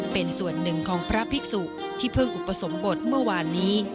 เป็นส่วนหนึ่งของพระภิกษุที่เพิ่งอุปสมบทเมื่อวานนี้